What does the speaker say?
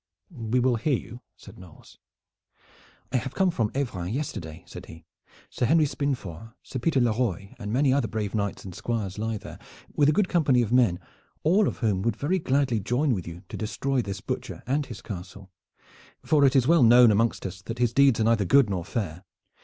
"We will hear you," said Knolles. "I have come from Evran yesterday," said he. "Sir Henry Spinnefort, Sir Peter La Roye and many other brave knights and squires lie there, with a good company of men, all of whom would very gladly join with you to destroy this butcher and his castle, for it is well known amongst us that his deeds are neither good nor fair.